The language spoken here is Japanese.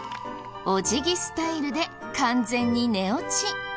お辞儀スタイルで完全に寝落ち。